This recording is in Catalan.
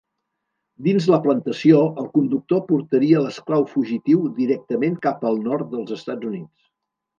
Dins la plantació, el conductor portaria l'esclau fugitiu directament cap al nord dels Estats Units.